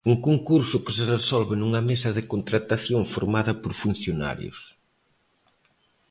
Un concurso que se resolve nunha mesa de contratación formada por funcionarios.